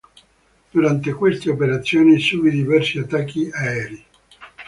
Durante queste operazioni subì diversi attacchi aerei.